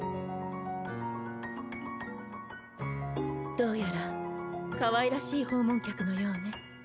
どうやらかわいらしい訪問客のようね。